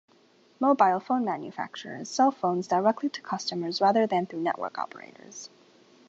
Mobile phone manufacturers sell phones directly to customers rather than through network operators.